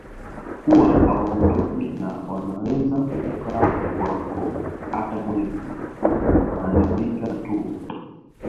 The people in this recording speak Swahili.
Huwa hawaondoki na wanaweza kukaa kwako hata mwezi wanatambika tu